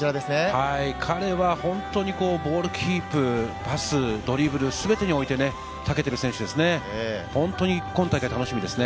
彼は本当にボールキープ、パス、ドリブル、全てにおいて長けている選手ですね。